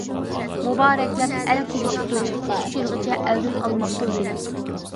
مۇبارەكلەپ ئەل كېلىشىپتۇ جىق، ئۈچ يىلغىچە ئەلدىن ئالماپتۇ سېلىق.